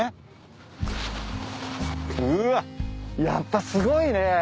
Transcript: やっぱすごいね。